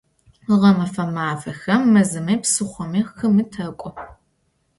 Ğemefe mafexem mezımi, psıxhomi, xımi tek'o.